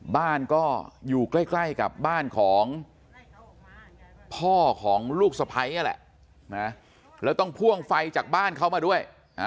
บ้านก็อยู่ใกล้กับบ้านของพ่อของลูกสะพ้ายนั่นแหละแล้วต้องพ่วงไฟจากบ้านเขามาด้วย